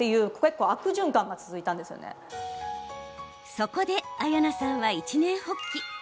そこで綾菜さんは一念発起。